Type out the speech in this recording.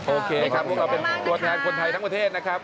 โอเคครับพวกเราเป็นตัวแทนคนไทยทั้งประเทศนะครับ